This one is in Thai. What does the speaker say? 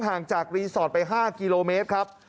ห่างจากรีสอร์ทไป๕กิโลเมตรครับ